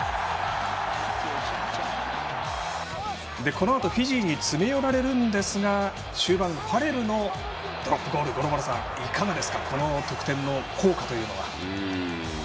このあとフィジーに詰め寄られるんですが終盤、ファレルのドロップゴールどうですかこの得点の効果というのは。